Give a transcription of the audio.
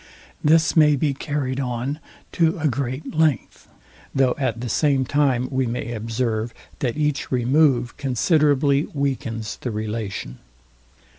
This may be carried on to a great length; though at the same time we may observe, that each remove considerably weakens the relation.